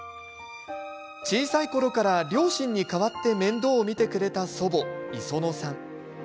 小さいころから両親に代わって面倒を見てくれた祖母イソノさん。